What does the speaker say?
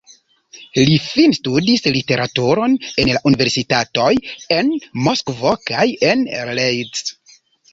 Li finstudis literaturon en universitatoj en Moskvo kaj en Leeds.